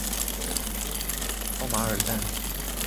奥马尔坦。